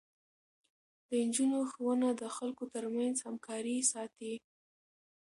د نجونو ښوونه د خلکو ترمنځ همکاري ساتي.